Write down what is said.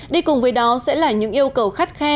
đi cùng với đó sẽ là những yêu cầu khắt khe